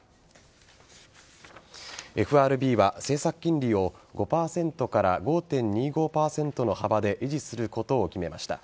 ＦＲＢは、政策金利を５％から５．２５％の幅で維持することを決めました。